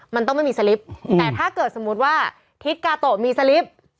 มันต้องไม่มีสลิปแต่ถ้าเกิดสมมุติว่าทิศกาโตะมีสลิป